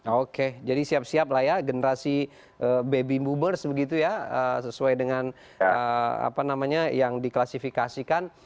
oke jadi siap siap lah ya generasi baby boomers begitu ya sesuai dengan apa namanya yang diklasifikasikan